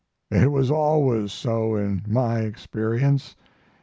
It was always so in my experience.